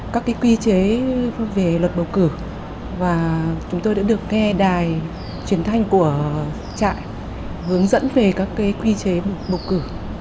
các quy chế về luật bầu cử và chúng tôi đã được nghe đài truyền thanh của trại hướng dẫn về các quy chế bầu cử